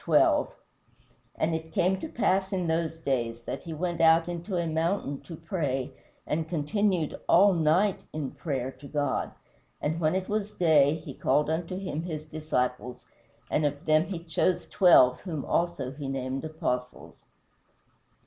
12: "And it came to pass in those days that he went out into a mountain to pray, and continued all night in prayer to God; and when it was day, he called unto him his disciples; and of them he chose twelve, whom also he named apostles."